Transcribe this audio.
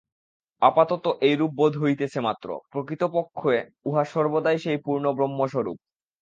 আপাতত এইরূপ বোধ হইতেছে মাত্র, প্রকৃতপক্ষে উহা সর্বদাই সেই পূর্ণব্রহ্মস্বরূপ।